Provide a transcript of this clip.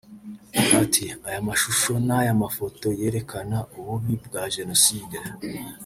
Ati « aya mashusho n’aya mafoto yerekana ububi bwa Jenoside